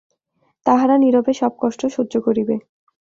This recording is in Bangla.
তাহারা নীরবে সব কষ্ট সহ্য করিবে।